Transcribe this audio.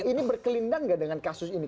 ini berkelindang nggak dengan kasus ini